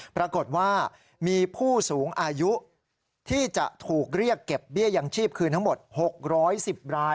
ปรากฏว่ามีผู้สูงอายุที่จะถูกเรียกเก็บเบี้ยยังชีพคืนทั้งหมด๖๑๐ราย